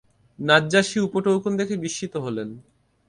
নাজ্জাশী উপঢৌকন দেখে বিস্মিত হলেন।